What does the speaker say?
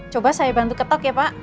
coba saya bantu ketok ya pak